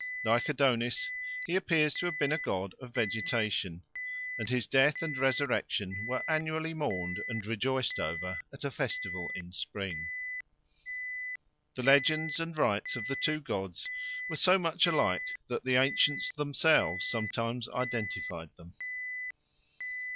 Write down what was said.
Like Adonis, he appears to have been a god of vegetation, and his death and resurrection were annually mourned and rejoiced over at a festival in spring. The legends and rites of the two gods were so much alike that the ancients themselves sometimes identified them.